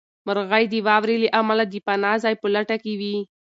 مرغۍ د واورې له امله د پناه ځای په لټه کې وې.